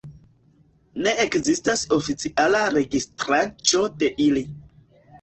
Ne ekzistas oficiala registraĵo de ili.